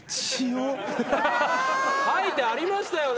書いてありましたよね？